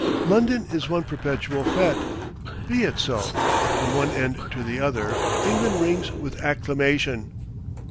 London is one perpetual fête. Be it so. From one end to the other, England rings with acclamation.